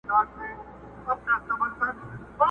هارون جان ته د نوي کال او پسرلي ډالۍ:!